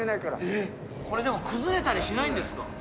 これ、崩れたりしないんです